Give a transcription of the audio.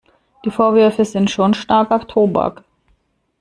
Die Vorwürfe sind schon starker Tobak.